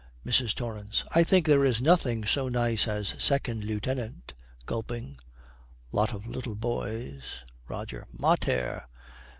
MRS. TORRANCE. 'I think there is nothing so nice as 2nd Lieutenant.' Gulping, 'Lot of little boys.' ROGER. 'Mater!'